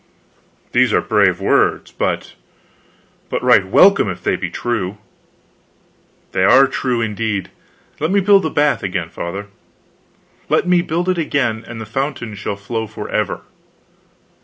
"These are brave words but but right welcome, if they be true." "They are true, indeed. Let me build the bath again, Father. Let me build it again, and the fountain shall flow forever."